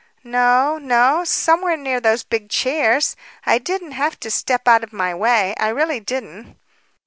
"No, no. Somewhere near those big chairs; I didn't have to step out of my way; I really didn't."